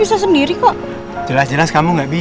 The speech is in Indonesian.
dia ceritain sama mereka kopi nanti